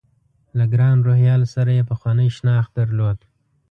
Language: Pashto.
له ګران روهیال سره یې پخوانی شناخت درلود.